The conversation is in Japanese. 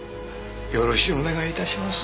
よろしゅうお願い致します。